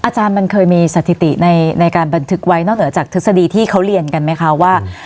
อาจารย์มันเคยมีสถิติในการบันทึกไว้นอกเหนือจากทฤษฎีที่เขาเรียนกันไหมคะว่า